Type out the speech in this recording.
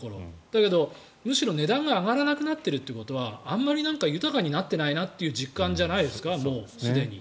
だけど値段が上がらなくなっているということはあんまり豊かになってないなという実感じゃないですかもうすでに。